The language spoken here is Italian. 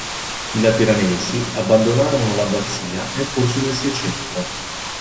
I Lateranensi abbandonarono l'abbazia nel corso del Seicento.